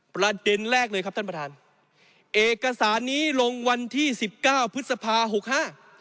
ประเด็นแรกเลยครับท่านประธานเอกสารนี้ลงวันที่๑๙พฤษภา๖๕